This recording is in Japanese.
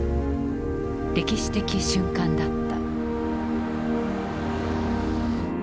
歴史的瞬間だった。